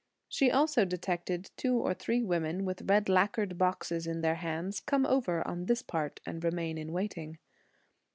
She also detected two or three women, with red lacquered boxes in their hands, come over on this part and remain in waiting.